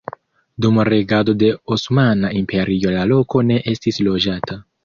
Dum regado de Osmana Imperio la loko ne estis loĝata.